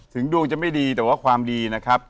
ถึงดวงจะไม่ดีแต่ว่าความดีนะครับ